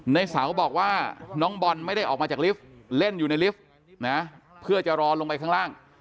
ในเสาบอกว่าน้องบอลไม่ได้ออกมาจากลิฟต์เล่นอยู่ในลิฟต์นะเพื่อจะรอลงไปข้างล่าง